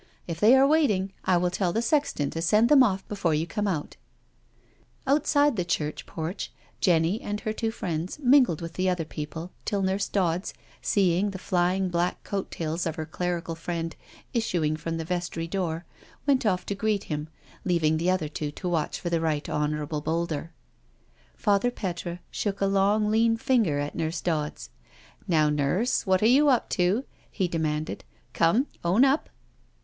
"If they are waiting I will tell the sexton to send them off before you come out/' Outside the church porch Jenny and her two friends mingled with the other people till Nurse Dodds, seeing the flying black coat tails of her clerical friend issuing from the vestry door, went off to greet him, leaving the other two to watch for the Right Hon. Boulder. Father Petre shook a long, lean finger at Nurse Dodds. "Now, Nurse, what are you up to?" he demanded. " Come, own up?"